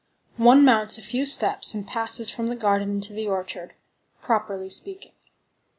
One mounts a few steps and passes from the garden into the orchard, properly speaking.